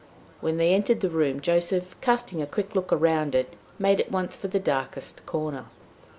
When they entered the room, Joseph, casting a quick look round it, made at once for the darkest corner.